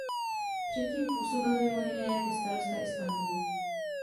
Předtím působil mimo jiné jako starosta Istanbulu.